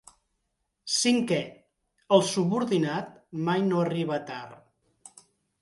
Cinquè: el subordinat mai no arriba tard...